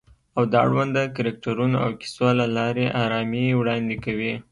او د اړونده کرکټرونو او کیسو له لارې آرامي وړاندې کوي